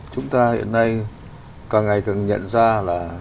chúng ta hiện nay càng ngày càng nhận ra là